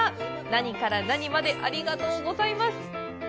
何から何までありがとうございます！